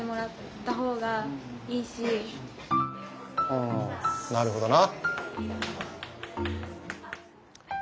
うんなるほどな。